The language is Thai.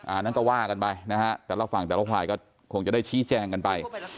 อันนั้นก็ว่ากันไปนะฮะแต่ละฝั่งแต่ละฝ่ายก็คงจะได้ชี้แจงกันไป